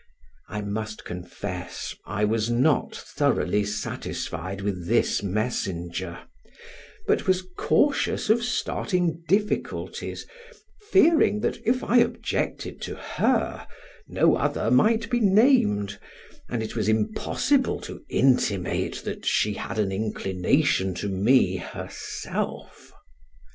I must confess, I was not thoroughly satisfied with this messenger, but was cautious of starting difficulties, fearing that if I objected to her no other might be named, and it was impossible to intimate that she had an inclination to me herself.